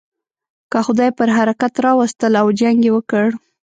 که خدای پر حرکت را وستل او جنګ یې وکړ.